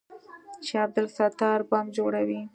چې عبدالستار بم جوړوي.